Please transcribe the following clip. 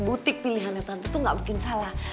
butik pilihannya tante tuh nggak mungkin salah